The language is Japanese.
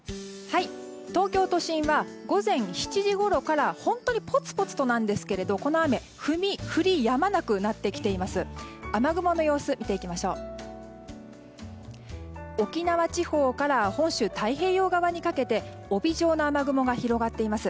東京都心は午前７時ごろから本当にぽつぽつとですが雨が降りやまなくなってきています。